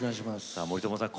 森友さん